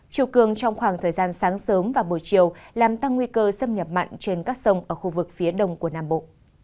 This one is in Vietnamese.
chiều cường trong khoảng thời gian sáng sớm và buổi chiều làm tăng nguy cơ xâm nhập mặn trên các sông ở khu vực phía đông của nam bộ